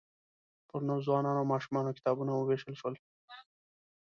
پر نوو ځوانانو او ماشومانو کتابونه ووېشل شول.